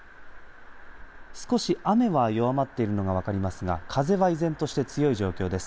少し雨は弱まっているのが分かりますが風は依然として強い状況です。